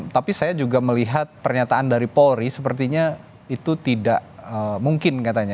tapi saya juga melihat pernyataan dari polri sepertinya itu tidak mungkin katanya